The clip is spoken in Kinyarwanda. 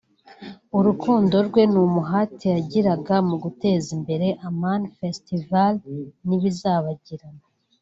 urukundo rwe n’umuhate yagiraga mu guteza imbere Amani Festival ntibizabagirana